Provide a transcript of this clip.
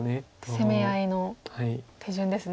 攻め合いの手順ですね。